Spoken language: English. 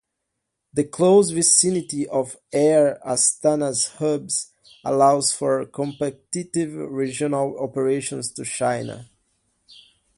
The close vicinity of Air Astana's hubs allows for competitive regional operations to China.